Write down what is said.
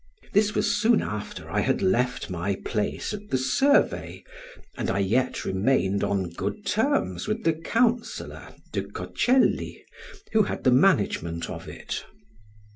This was soon after I had left my place at the survey, and I yet remained on good terms with the Counsellor de Coccelli, who had the management of it.